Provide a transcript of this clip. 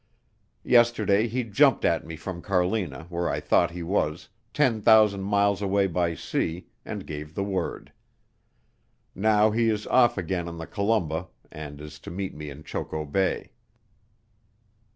Yesterday he jumped at me from Carlina, where I thought he was, 10,000 miles away by sea, and gave the word. Now he is off again on the Columba and is to meet me in Choco Bay."